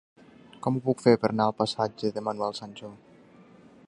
Com ho puc fer per anar al passatge de Manuel Sancho?